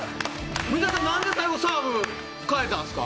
水谷さん、何で最後サーブ変えたんですか。